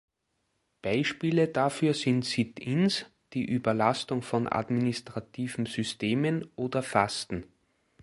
Beispiele dafür sind Sit-ins, die Überlastung von administrativen Systemen oder Fasten.